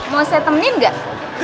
mau saya temenin nggak